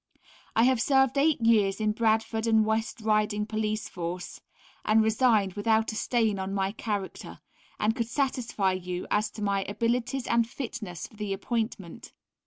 I have served 8 years in Bradford & West Riding Police Force, and resigned without a stain on my character, and could satisfy you as to my abilities and fitness for the appointment.